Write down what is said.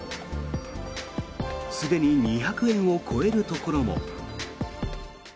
すでに２００円を超えるところも。